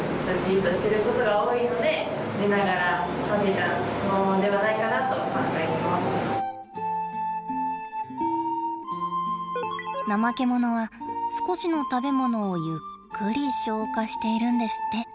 ナマケモノはナマケモノは少しの食べ物をゆっくり消化しているんですって。